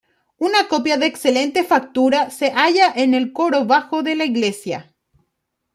Una copia de excelente factura se halla en el coro bajo de la iglesia.